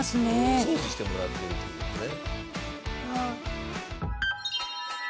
お掃除してもらってるっていう事ね。